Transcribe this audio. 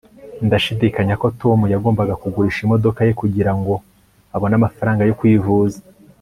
ndashidikanya ko tom yagombaga kugurisha imodoka ye kugirango abone amafaranga yo kwivuza